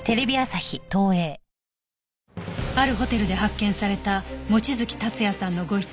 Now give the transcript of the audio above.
あるホテルで発見された望月達也さんのご遺体